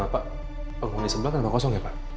pak panggung di sebelah kan gak kosong ya pak